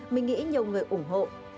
mình nghĩ nhiều người ủng hộ